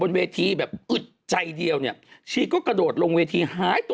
เวทีแบบอึดใจเดียวเนี่ยชีก็กระโดดลงเวทีหายตัว